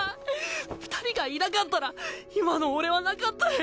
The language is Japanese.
二人がいなかったら今の俺はなかったい。